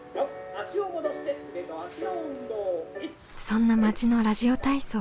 そんな町のラジオ体操。